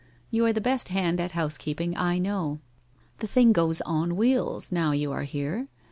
You are the best hand at house keeping I know. The thing goes on wheels now you are here.